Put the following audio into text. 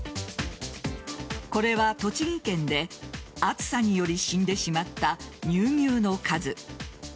これは栃木県で暑さにより死んでしまった乳牛の数。